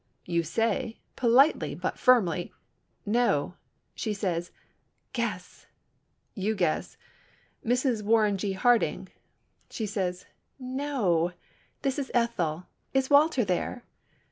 You say, politely but firmly, "No." She says, "Guess!" You guess "Mrs. Warren G. Harding." She says, "No. This is Ethel. Is Walter there?"